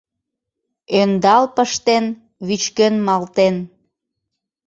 Ӧндал пыштен, вӱчкен малтен